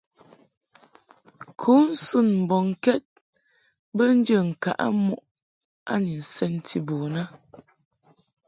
Kunsun mbɔŋkɛd be njə ŋkaʼɨ muʼ a ni nsenti bun a.